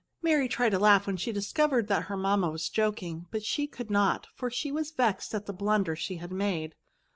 Mary tried to laugh when she discovered that her mamma was joking ; but she could not, for she was vexed at the blunder she had made.